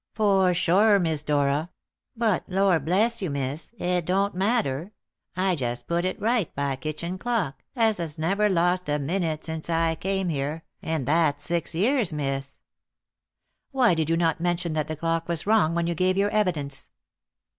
"For sure, Miss Dora. But Lor' bless you, miss, it don't matter. I jes' put it right by kitchen clock, as has never lost a minute since I came here, and that's six years, miss." "Why did you not mention that the clock was wrong when you gave your evidence?"